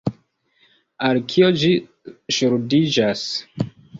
Al kio ĝi ŝuldiĝas?